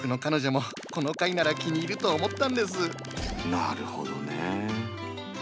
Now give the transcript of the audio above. なるほどね。